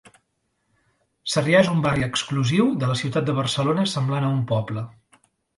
Sarrià és un barri exclusiu de la ciutat de Barcelona semblant a un poble